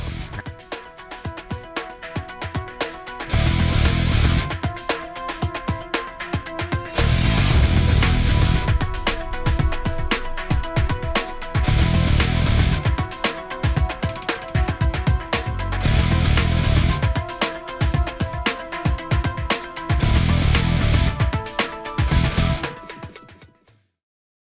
ก็คือน่าจะจำไปจนตายเลยแหละ